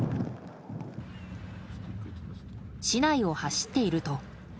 市内を走っていると。